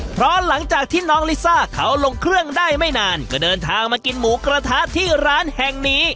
เพราะหลังจากที่น้องลิซ่าเขาลงเครื่องได้ไม่นานก็เดินทางมากินหมูกระทะที่ร้านแห่งนี้